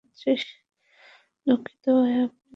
দুঃখিত ভাই, আপনি যেতে পারেন।